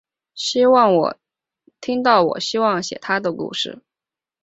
听到我希望写她的故事